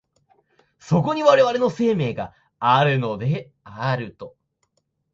そこに我々の生命があるのである。